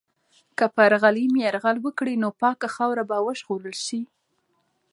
که پر غلیم یرغل وکړي، نو پاکه خاوره به وژغورل سي.